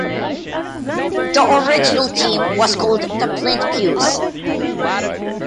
The original team was called the Flint Fuze.